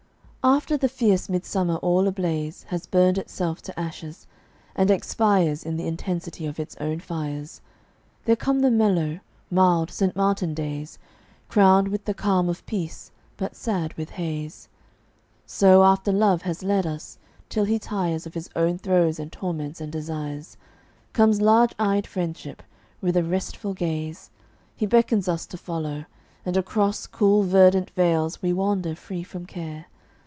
After the fierce midsummer all ablaze Has burned itself to ashes, and expires In the intensity of its own fires, There come the mellow, mild, St. Martin days, Crowned with the calm of peace, but sad with haze. So after Love has led us, till he tires Of his own throes and torments and desires, Comes large eyed friendship: with a restful gaze He beckons us to follow, and across Cool, verdant vales we wander free from care.